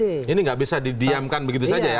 ini nggak bisa didiamkan begitu saja ya